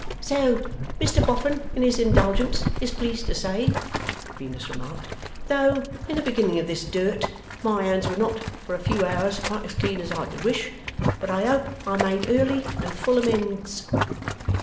'So Mr Boffin, in his indulgence, is pleased to say,' Venus remarked: 'though in the beginning of this dirt, my hands were not, for a few hours, quite as clean as I could wish. But I hope I made early and full amends.